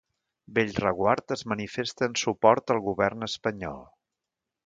Bellreguard es manifesta en suport al govern espanyol